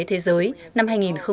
thế giới năm hai nghìn hai mươi bốn